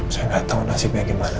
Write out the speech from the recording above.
saya gak tau nasibnya gimana sekarang